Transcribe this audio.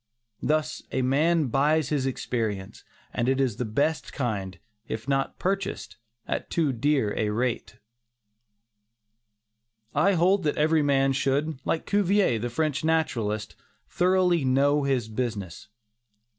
Thus a man buys his experience, and it is the best kind if not purchased at too dear a rate. I hold that every man should, like Cuvier, the French naturalist, thoroughly know his business.